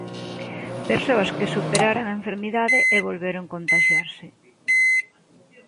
Persoas que superaran a enfermidade e volveron contaxiarse.